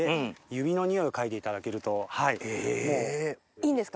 いいんですか？